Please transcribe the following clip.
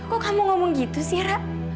kok kamu ngomong gitu sih rap